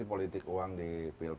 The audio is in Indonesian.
liga dua itu kan hanya bisnis ini great